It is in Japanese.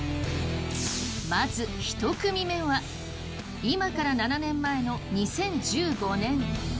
まず１組目は今から７年前の２０１５年。